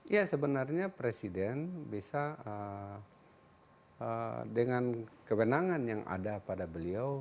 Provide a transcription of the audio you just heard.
ya sebenarnya presiden bisa dengan kewenangan yang ada pada beliau